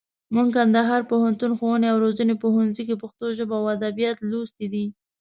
موږ کندهار پوهنتون، ښووني او روزني پوهنځي کښي پښتو ژبه او اودبيات لوستي دي.